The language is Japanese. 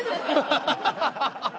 ハハハハハ！